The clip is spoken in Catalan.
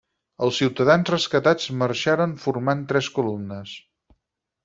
Els ciutadans rescatats marxaren formant tres columnes.